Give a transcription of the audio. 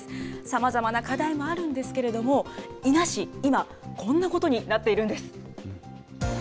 さまざまな課題もあるんですけれども、伊那市、今、こんなことになっているんです。